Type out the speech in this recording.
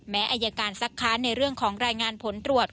แม้อัยการสักครั้งในเรื่องของรายงานผลตรวจ